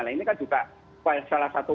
nah ini kan juga salah satu